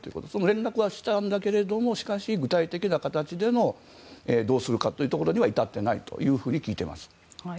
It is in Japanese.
連絡はしたんだけれどしかし具体的な形でどうするかというところには至っていないと聞いています。